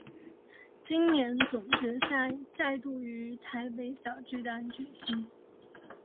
今年总决赛再度于台北小巨蛋举行。